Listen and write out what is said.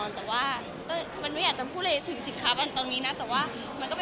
มีกว่าจะตามระบบทางหลายฝันมาก